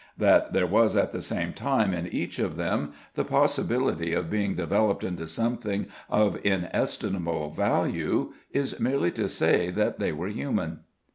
That there was at the same time in each of them the possibility of being developed into something of inestimable value, is merely to say that they were human.